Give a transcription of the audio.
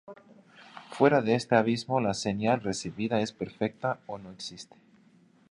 Fuera de este abismo, la señal recibida es perfecta o no existe.